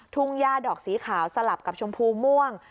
ย่าดอกสีขาวสลับกับชมพูม่วง